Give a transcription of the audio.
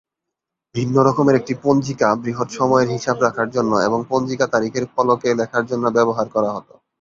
ভিন্ন রকমের একটি পঞ্জিকা বৃহৎ সময়ের হিসাব রাখার জন্য এবং পঞ্জিকা তারিখের ফলকে লেখার জন্য ব্যবহার করা হতো।